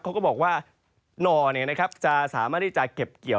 เขาก็บอกว่าหน่อเนี่ยนะครับจะสามารถที่จะเก็บเกี่ยว